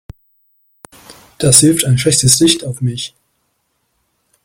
Das wirft ein schlechtes Licht auf mich.